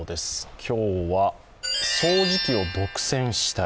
今日は、掃除機を独占したい。